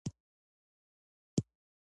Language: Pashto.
د کانکریټي فرش پلچکونه د ار سي سي پوښښ لري